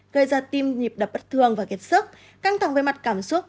gây ra tim nhịp đập bất thường và kiệt sức căng thẳng về mặt cảm xúc